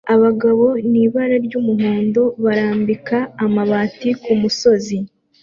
Abagabo ni ibara ry'umuhondo barambika amabati kumusozi